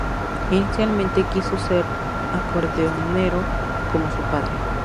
Inicialmente quiso ser acordeonero como su padre.